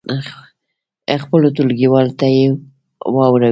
خپلو ټولګیوالو ته یې واوروئ.